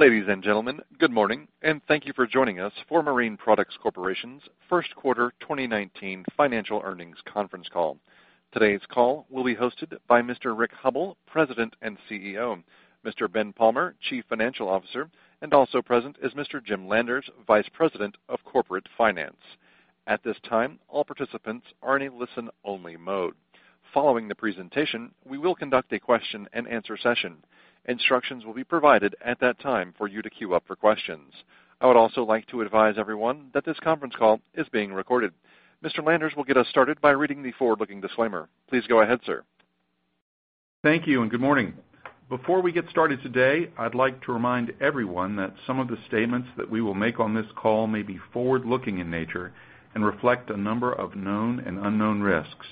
Ladies and gentlemen, good morning, and thank you for joining us for Marine Products Corporation's first quarter 2019 financial earnings conference call. Today's call will be hosted by Mr. Rick Hubbell, President and CEO; Mr. Ben Palmer, Chief Financial Officer; and also present is Mr. Jim Landers, Vice President of Corporate Finance. At this time, all participants are in a listen-only mode. Following the presentation, we will conduct a question-and-answer session. Instructions will be provided at that time for you to queue up for questions. I would also like to advise everyone that this conference call is being recorded. Mr. Landers will get us started by reading the forward-looking disclaimer. Please go ahead, sir. Thank you and good morning. Before we get started today, I'd like to remind everyone that some of the statements that we will make on this call may be forward-looking in nature and reflect a number of known and unknown risks.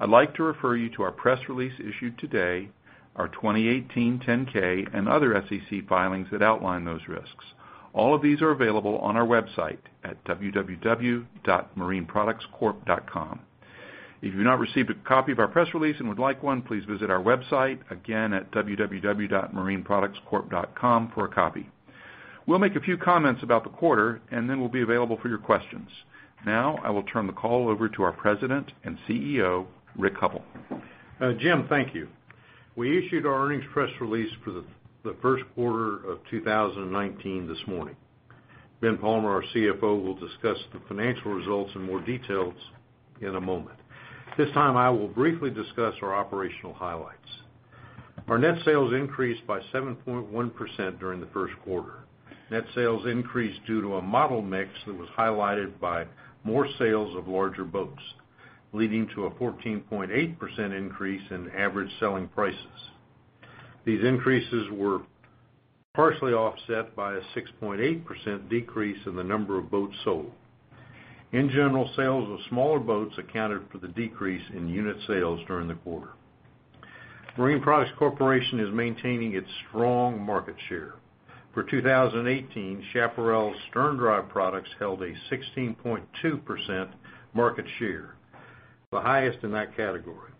I'd like to refer you to our press release issued today, our 2018 10-K, and other SEC filings that outline those risks. All of these are available on our website at www.marineproductscorp.com. If you have not received a copy of our press release and would like one, please visit our website again at www.marineproductscorp.com for a copy. We'll make a few comments about the quarter, and then we'll be available for your questions. Now, I will turn the call over to our President and CEO, Rick Hubbell. Jim, thank you. We issued our earnings press release for the first quarter of 2019 this morning. Ben Palmer, our CFO, will discuss the financial results in more detail in a moment. This time, I will briefly discuss our operational highlights. Our net sales increased by 7.1% during the first quarter. Net sales increased due to a model mix that was highlighted by more sales of larger boats, leading to a 14.8% increase in average selling prices. These increases were partially offset by a 6.8% decrease in the number of boats sold. In general, sales of smaller boats accounted for the decrease in unit sales during the quarter. Marine Products Corporation is maintaining its strong market share. For 2018, Chaparral's Stern Drive products held a 16.2% market share, the highest in that category.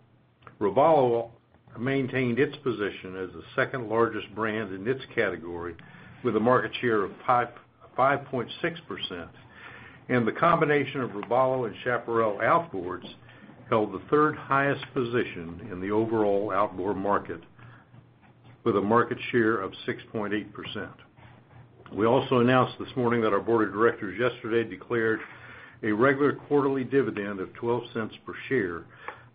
Revolo maintained its position as the second largest brand in its category with a market share of 5.6%, and the combination of Revolo and Chaparral outboards held the third highest position in the overall outboard market with a market share of 6.8%. We also announced this morning that our Board of Directors yesterday declared a regular quarterly dividend of $0.12 per share,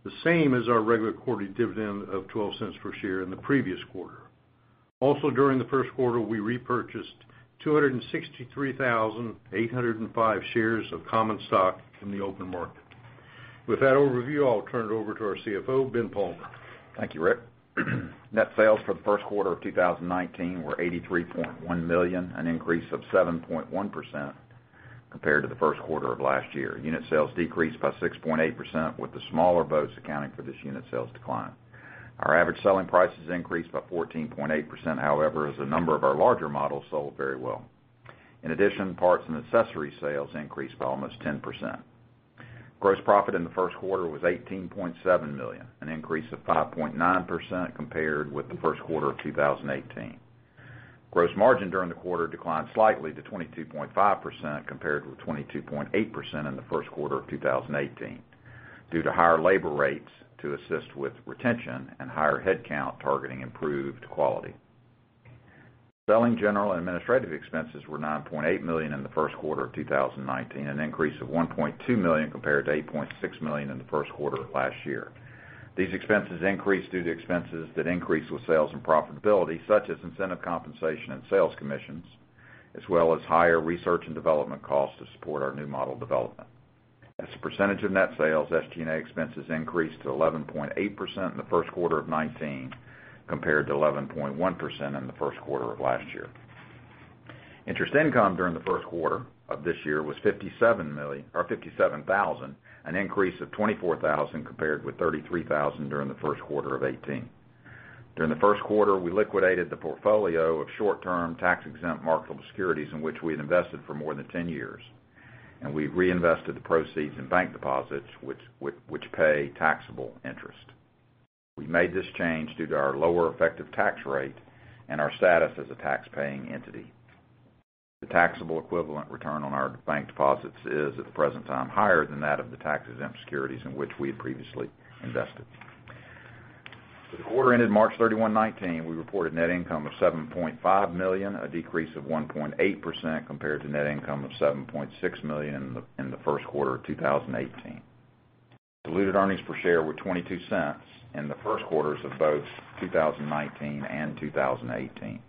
the same as our regular quarterly dividend of $0.12 per share in the previous quarter. Also, during the first quarter, we repurchased 263,805 shares of common stock in the open market. With that overview, I'll turn it over to our CFO, Ben Palmer. Thank you, Rick. Net sales for the first quarter of 2019 were $83.1 million, an increase of 7.1% compared to the first quarter of last year. Unit sales decreased by 6.8%, with the smaller boats accounting for this unit sales decline. Our average selling prices increased by 14.8%, however, as the number of our larger models sold very well. In addition, parts and accessories sales increased by almost 10%. Gross profit in the first quarter was $18.7 million, an increase of 5.9% compared with the first quarter of 2018. Gross margin during the quarter declined slightly to 22.5% compared with 22.8% in the first quarter of 2018 due to higher labor rates to assist with retention and higher headcount targeting improved quality. Selling, general and administrative expenses were $9.8 million in the first quarter of 2019, an increase of $1.2 million compared to $8.6 million in the first quarter of last year. These expenses increased due to expenses that increased with sales and profitability, such as incentive compensation and sales commissions, as well as higher research and development costs to support our new model development. As a percentage of net sales, SG&A expenses increased to 11.8% in the first quarter of 2019 compared to 11.1% in the first quarter of last year. Interest income during the first quarter of this year was $57,000, an increase of $24,000 compared with $33,000 during the first quarter of 2018. During the first quarter, we liquidated the portfolio of short-term tax-exempt marketable securities in which we had invested for more than 10 years, and we reinvested the proceeds in bank deposits which pay taxable interest. We made this change due to our lower effective tax rate and our status as a tax-paying entity. The taxable equivalent return on our bank deposits is, at the present time, higher than that of the tax-exempt securities in which we had previously invested. The quarter ended March 31, 2019. We reported net income of $7.5 million, a decrease of 1.8% compared to net income of $7.6 million in the first quarter of 2018. Diluted earnings per share were $0.22 in the first quarters of both 2019 and 2018.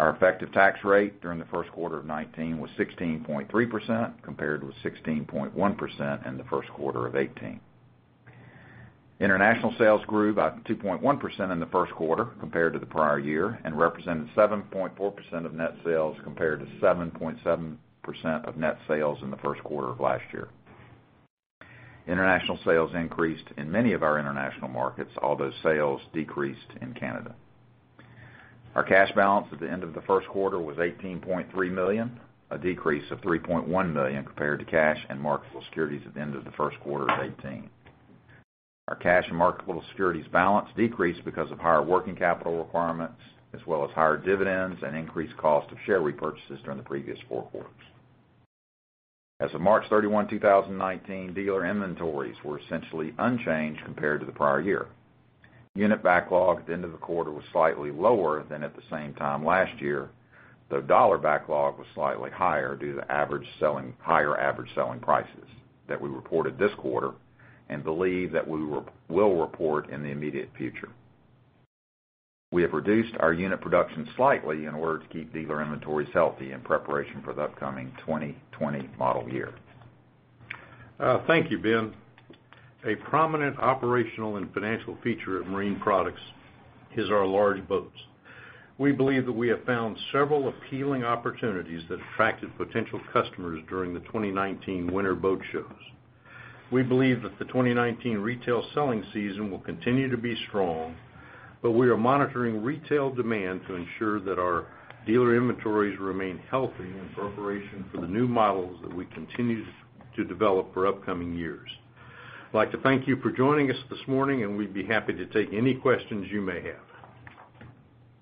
Our effective tax rate during the first quarter of 2019 was 16.3% compared with 16.1% in the first quarter of 2018. International sales grew by 2.1% in the first quarter compared to the prior year and represented 7.4% of net sales compared to 7.7% of net sales in the first quarter of last year. International sales increased in many of our international markets, although sales decreased in Canada. Our cash balance at the end of the first quarter was $18.3 million, a decrease of $3.1 million compared to cash and marketable securities at the end of the first quarter of 2018. Our cash and marketable securities balance decreased because of higher working capital requirements, as well as higher dividends and increased cost of share repurchases during the previous four quarters. As of March 31, 2019, dealer inventories were essentially unchanged compared to the prior year. Unit backlog at the end of the quarter was slightly lower than at the same time last year, though dollar backlog was slightly higher due to the higher average selling prices that we reported this quarter and believe that we will report in the immediate future. We have reduced our unit production slightly in order to keep dealer inventories healthy in preparation for the upcoming 2020 model year. Thank you, Ben. A prominent operational and financial feature of Marine Products is our large boats. We believe that we have found several appealing opportunities that attracted potential customers during the 2019 winter boat shows. We believe that the 2019 retail selling season will continue to be strong, but we are monitoring retail demand to ensure that our dealer inventories remain healthy in preparation for the new models that we continue to develop for upcoming years. I'd like to thank you for joining us this morning, and we'd be happy to take any questions you may have.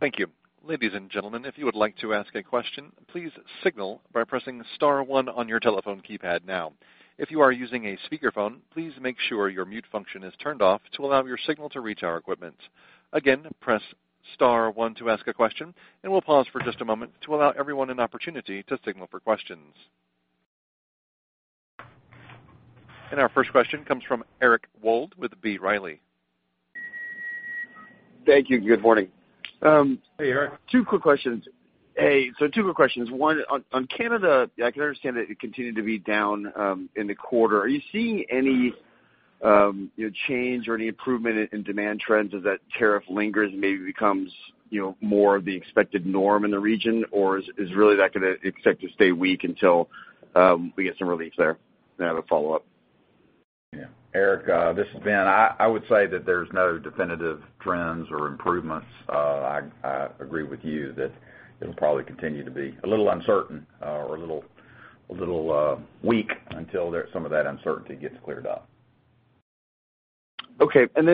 Thank you. Ladies and gentlemen, if you would like to ask a question, please signal by pressing star one on your telephone keypad now. If you are using a speakerphone, please make sure your mute function is turned off to allow your signal to reach our equipment. Again, press Star 1 to ask a question. We'll pause for just a moment to allow everyone an opportunity to signal for questions. Our first question comes from Eric Wold with B. Riley. Thank you. Good morning. Hey, Eric. Two quick questions. One, on Canada, I can understand that it continued to be down in the quarter. Are you seeing any change or any improvement in demand trends as that tariff lingers and maybe becomes more of the expected norm in the region, or is really that going to expect to stay weak until we get some relief there? I have a follow-up. Yeah. Eric, this is Ben. I would say that there's no definitive trends or improvements. I agree with you that it'll probably continue to be a little uncertain or a little weak until some of that uncertainty gets cleared up. Okay. Can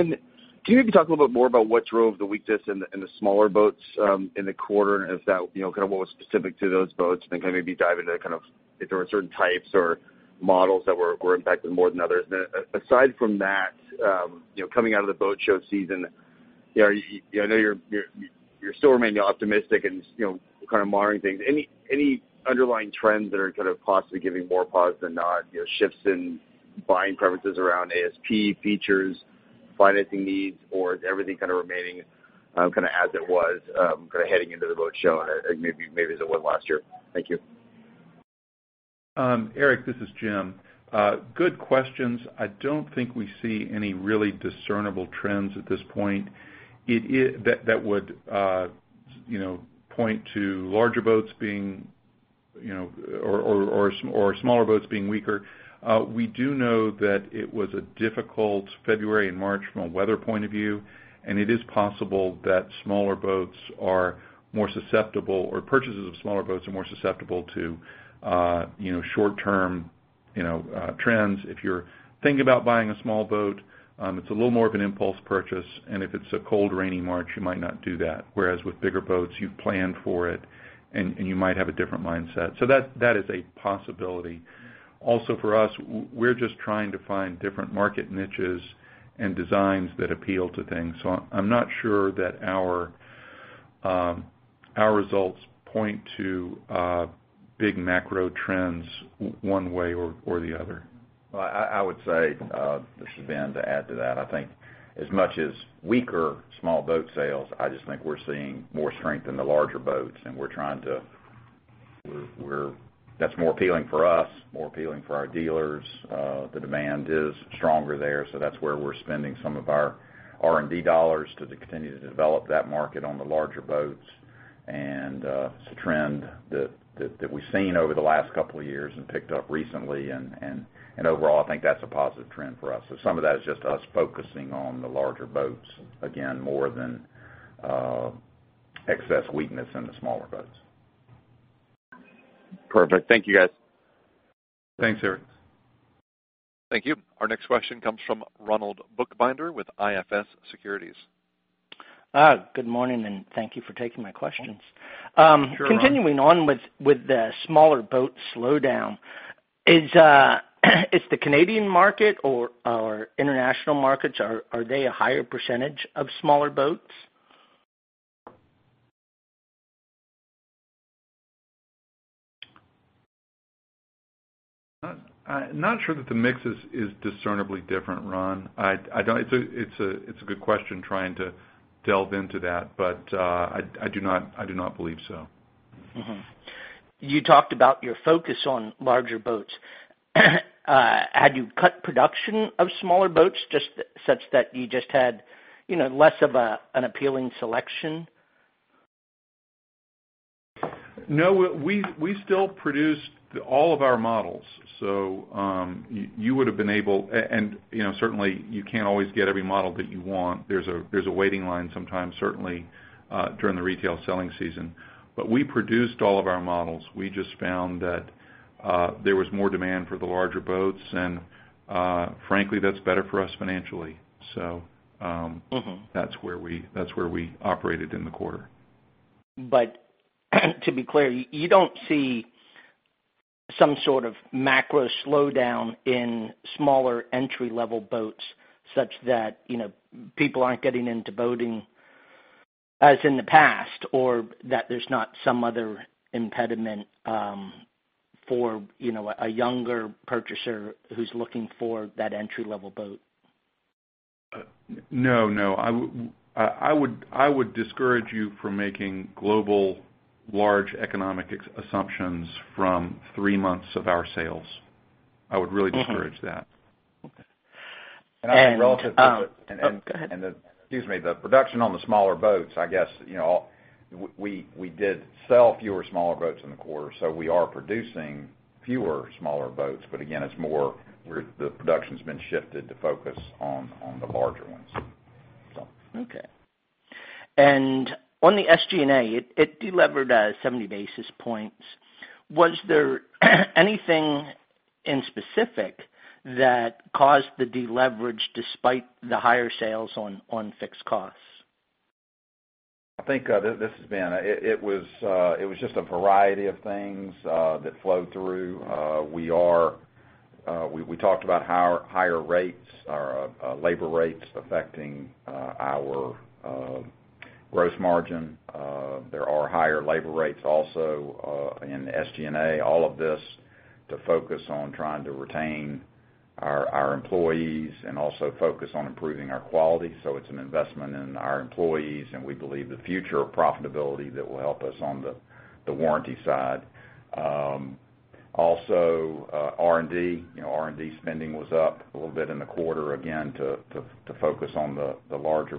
you maybe talk a little bit more about what drove the weakness in the smaller boats in the quarter and kind of what was specific to those boats? Can you maybe dive into if there were certain types or models that were impacted more than others? Aside from that, coming out of the boat show season, I know you're still remaining optimistic and kind of modeling things. Any underlying trends that are possibly giving more pause than not, shifts in buying preferences around ASP features, financing needs, or is everything remaining as it was heading into the boat show and maybe as it was last year? Thank you. Eric, this is Jim. Good questions. I don't think we see any really discernible trends at this point that would point to larger boats being or smaller boats being weaker. We do know that it was a difficult February and March from a weather point of view, and it is possible that smaller boats are more susceptible or purchases of smaller boats are more susceptible to short-term trends. If you're thinking about buying a small boat, it's a little more of an impulse purchase, and if it's a cold, rainy March, you might not do that. Whereas with bigger boats, you've planned for it, and you might have a different mindset. That is a possibility. Also, for us, we're just trying to find different market niches and designs that appeal to things. I'm not sure that our results point to big macro trends one way or the other. I would say, this is Ben, to add to that, I think as much as weaker small boat sales, I just think we're seeing more strength in the larger boats, and we're trying to—that's more appealing for us, more appealing for our dealers. The demand is stronger there, so that's where we're spending some of our R&D dollars to continue to develop that market on the larger boats. It's a trend that we've seen over the last couple of years and picked up recently. Overall, I think that's a positive trend for us. Some of that is just us focusing on the larger boats, again, more than excess weakness in the smaller boats. Perfect. Thank you, guys. Thanks, Eric. Thank you. Our next question comes from Ronald Bookbinder with IFS Securities. Good morning, and thank you for taking my questions. Continuing on with the smaller boat slowdown, is the Canadian market or international markets, are they a higher percentage of smaller boats? I'm not sure that the mix is discernibly different, Ron. It's a good question trying to delve into that, but I do not believe so. You talked about your focus on larger boats. Had you cut production of smaller boats just such that you just had less of an appealing selection? No, we still produced all of our models. You would have been able—and certainly, you can't always get every model that you want. There's a waiting line sometimes, certainly, during the retail selling season. We produced all of our models. We just found that there was more demand for the larger boats, and frankly, that's better for us financially. That's where we operated in the quarter. To be clear, you don't see some sort of macro slowdown in smaller entry-level boats such that people aren't getting into boating as in the past, or that there's not some other impediment for a younger purchaser who's looking for that entry-level boat? No, no. I would discourage you from making global large economic assumptions from three months of our sales. I would really discourage that. think relative to, excuse me, the production on the smaller boats, I guess we did sell fewer smaller boats in the quarter, so we are producing fewer smaller boats. Again, it is more where the production has been shifted to focus on the larger ones. Okay. On the SG&A, it delevered 70 basis points. Was there anything in specific that caused the deleverage despite the higher sales on fixed costs? I think this is Ben. It was just a variety of things that flowed through. We talked about higher rates, our labor rates affecting our gross margin. There are higher labor rates also in SG&A. All of this to focus on trying to retain our employees and also focus on improving our quality. It is an investment in our employees, and we believe the future of profitability that will help us on the warranty side. Also, R&D. R&D spending was up a little bit in the quarter again to focus on the larger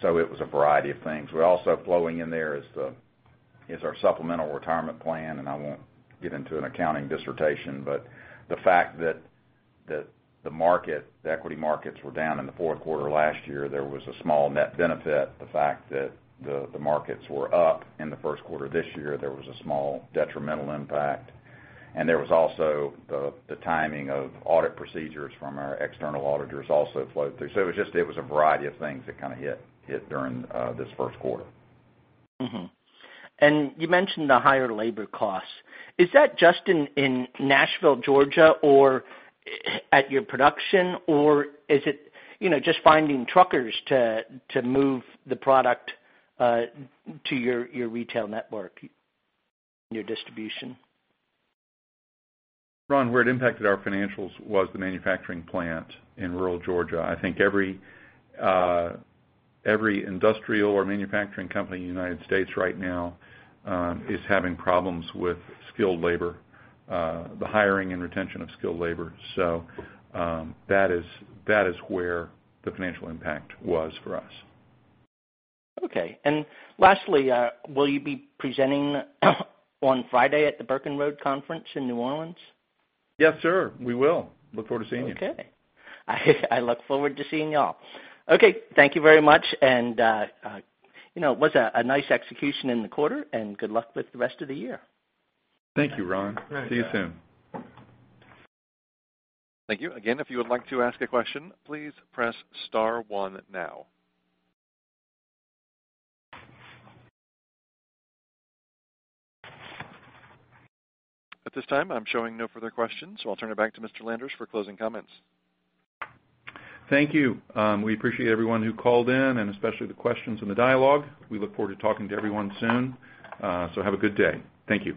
boats. It was a variety of things. Also flowing in there is our supplemental retirement plan, and I will not get into an accounting dissertation, but the fact that the market, the equity markets, were down in the fourth quarter last year, there was a small net benefit. The fact that the markets were up in the first quarter this year, there was a small detrimental impact. There was also the timing of audit procedures from our external auditors also flowed through. It was just a variety of things that kind of hit during this first quarter. You mentioned the higher labor costs. Is that just in Nashville, Georgia, or at your production, or is it just finding truckers to move the product to your retail network, your distribution? Ron, where it impacted our financials was the manufacturing plant in rural Georgia. I think every industrial or manufacturing company in the United States right now is having problems with skilled labor, the hiring and retention of skilled labor. That is where the financial impact was for us. Okay. And lastly, will you be presenting on Friday at the Birken Road Conference in New Orleans? Yes, sir. We will. Look forward to seeing you. Okay. I look forward to seeing you all. Okay. Thank you very much. It was a nice execution in the quarter, and good luck with the rest of the year. Thank you, Ron. See you soon. Thank you. Again, if you would like to ask a question, please press star one now. At this time, I'm showing no further questions, so I'll turn it back to Mr. Landers for closing comments. Thank you. We appreciate everyone who called in, and especially the questions and the dialogue. We look forward to talking to everyone soon. Have a good day. Thank you.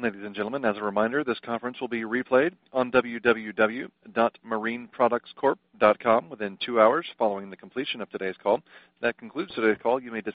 Ladies and gentlemen, as a reminder, this conference will be replayed on www.marineproductscorp.com within two hours following the completion of today's call. That concludes today's call. You may.